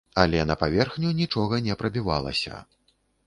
Але на паверхню нічога не прабівалася.